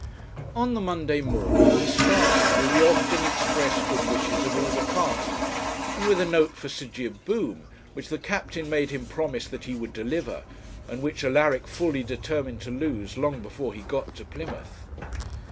On the Monday morning he started with the often expressed good wishes of all the party, and with a note for Sir Jib Boom, which the captain made him promise that he would deliver, and which Alaric fully determined to lose long before he got to Plymouth.